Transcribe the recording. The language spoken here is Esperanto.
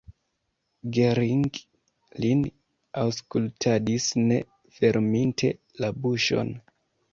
Gering lin aŭskultadis ne ferminte la buŝon.